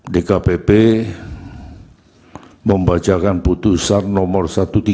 dkpp membacakan putusan nomor satu ratus tiga puluh